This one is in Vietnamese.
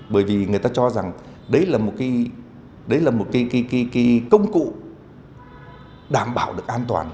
bởi vì người ta cho rằng đấy là một cái công cụ đảm bảo được an toàn